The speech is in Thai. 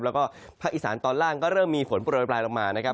แล้วก็ภาคอีสานตอนล่างก็เริ่มมีฝนโปรยปลายลงมานะครับ